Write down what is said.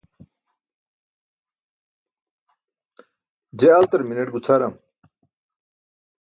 je altar mineṭ gucʰaram